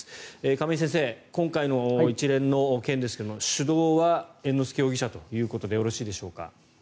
亀井先生、今回の一連の件ですが主導は猿之助容疑者ということでよろしいでしょうか？